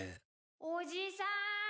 ・おじさん！